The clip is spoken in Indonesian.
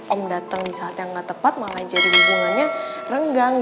om datang di saat yang nggak tepat malah jadi hubungannya renggang